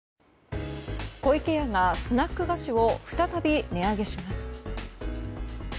湖池屋がスナック菓子を再び値上げします。